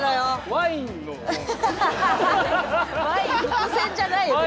ワイン伏線じゃないよ別に。